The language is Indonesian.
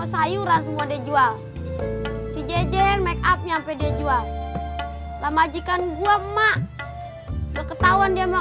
sayuran semua dijual si jj make up nyampe dijual lah majikan gua emak ketahuan dia mau